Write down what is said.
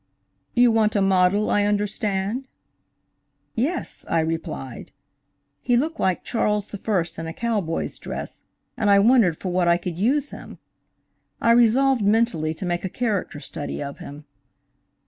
"You want a model I understand?" "Yes," I replied. He looked like Charles I in a cowboy's dress, and I wondered for what I could use him. I resolved mentally to make a character study of him.